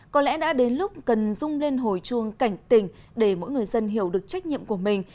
có lẽ đã đến lúc cần rung lên hồi chuông cảnh tỉnh để mỗi người dân hiểu được trách nhiệm của mình